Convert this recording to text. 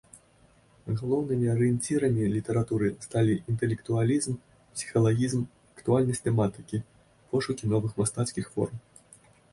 Галоўнымі арыенцірамі літаратуры сталі інтэлектуалізм, псіхалагізм, актуальнасць тэматыкі, пошукі новых мастацкіх форм.